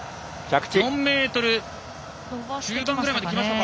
４ｍ中盤ぐらいまできましたか？